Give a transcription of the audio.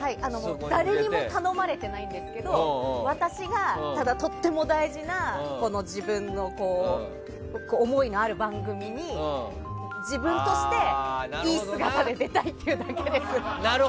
誰にも頼まれていないんですけど私がただ、とっても大事な自分の思いがある番組に自分としていい姿で出たいっていうだけです。